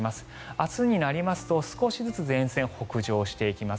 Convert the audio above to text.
明日になりますと少しずつ前線は北上していきます。